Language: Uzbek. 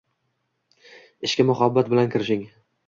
Ishga muhabbat bilan kirishing